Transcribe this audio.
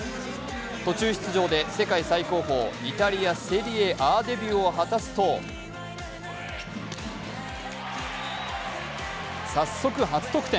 途中出場で世界最高峰、イタリアセリエＡデビューを果たすと早速、初得点。